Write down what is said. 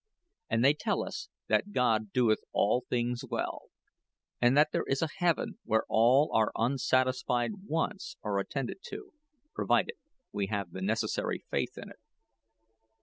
And they tell us, that 'God doeth all things well,' and that there is a heaven where all our unsatisfied wants are attended to provided we have the necessary faith in it.